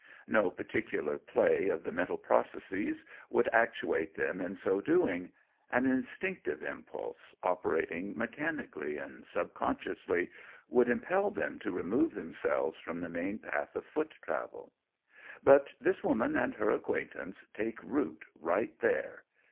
No particular play of the mental processes would actuate them in so doing; an instinctive impulse, operating mechanically and subconsciously, would impel them to remove themselves from the main path of foot travel. But this woman and her acquaintance take root right there.